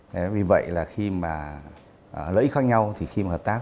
thế vì vậy là khi mà lợi ích khác nhau thì khi mà hợp tác